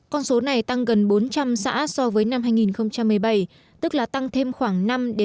con số này tăng gần bốn trăm linh xã so với năm hai nghìn một mươi bảy tức là tăng thêm khoảng năm ba mươi